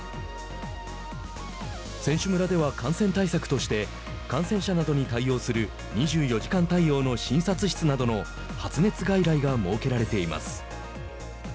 選手村では、感染対策として感染者などに対応する２４時間対応の診察室などの発熱外来が設けられています。